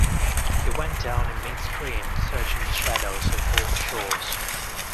He went down in midstream, searching the shadows of both shores.